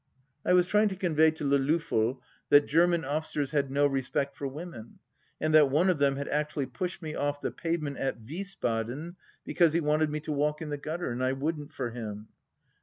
I was trying to convey to Le Loffel that German officers had no respect for women, and that one of them had actually pushed me off the pavement at Wiesbaden because he wanted me to walk in the gutter, and I wouldn't for him.